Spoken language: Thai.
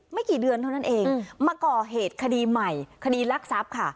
กี่เดือนเท่านั้นเองมาก่อเหตุคดีใหม่คดีรักทรัพย์ค่ะ